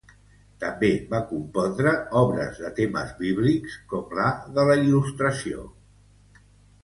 També va compondre obres de temes bíblics, com la de la il·lustració.